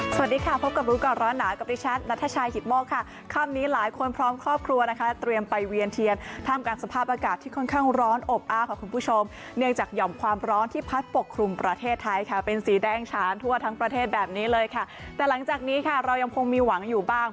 สวัสดีค่ะพบกับรู้ก่อนร้อนหนาวกับดิฉันนัทชายหิตโมกค่ะค่ำนี้หลายคนพร้อมครอบครัวนะคะเตรียมไปเวียนเทียนท่ามกลางสภาพอากาศที่ค่อนข้างร้อนอบอ้าวค่ะคุณผู้ชมเนื่องจากห่อมความร้อนที่พัดปกครุมประเทศไทยค่ะเป็นสีแดงฉานทั่วทั้งประเทศแบบนี้เลยค่ะแต่หลังจากนี้ค่ะเรายังคงมีหวังอยู่บ้าง